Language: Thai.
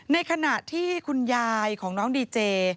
ในขณะที่คุณยายของน้องดีเจ